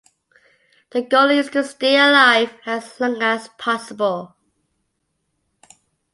The goal is to stay alive as long as possible.